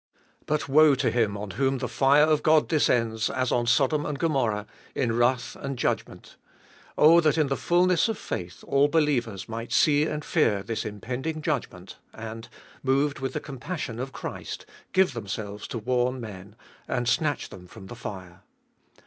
But woe to him on whom the fire of God descends, as on Sodom and Gomorrha, in wrath and judgment. Oh that in the fulness of faith all believers might see and fear this impending judgment, and, moved with the com 516 abe t>olfest ot passion of Christ, give themselves to warn men and snatch them from the fire.